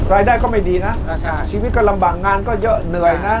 รายได้ก็ไม่ดีนะชีวิตก็ลำบากงานก็เยอะเหนื่อยนะ